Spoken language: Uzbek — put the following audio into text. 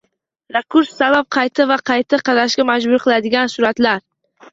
Rakurs sabab qayta va qayta qarashga majbur qiladigan suratlar